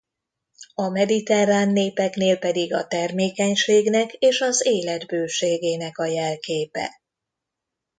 A mediterrán népeknél pedig a termékenységnek és az élet bőségének a jelképe.